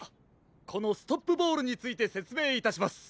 このストップボールについてせつめいいたします。